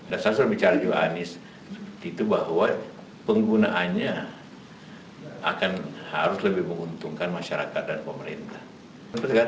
dan saya sudah bicara dengan yohanis bahwa penggunaannya akan harus lebih menguntungkan masyarakat dan pemerintah